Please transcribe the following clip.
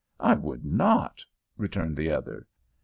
"I would not," returned the other.